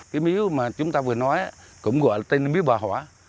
cái miếu mà chúng ta vừa nói cũng gọi là tên miếu bà họa